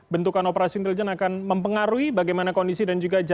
bentukan operasi intelijen akan mempengaruhi bagaimana kondisi dan juga jaringan